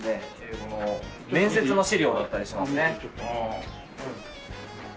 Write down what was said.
英語の面接の資料だったりしますね。